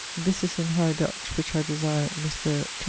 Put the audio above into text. ] This is in High dutch, which I desire Mr. Th.